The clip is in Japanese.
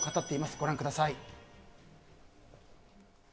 ご覧ください。